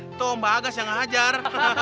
itu mbak agas yang ngajar